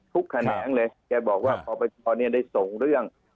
ทุกแขนงเลยแกบอกว่าปปชเนี่ยได้ส่งเรื่อง